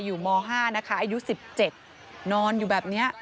ม๕นะคะอายุ๑๗นอนอยู่แบบนี้